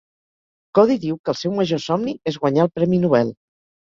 Cody diu que el seu major somni és guanyar el premi Nobel.